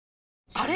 あれ？